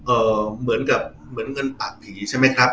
เหมือนกับเหมือนเงินปากผีใช่ไหมครับ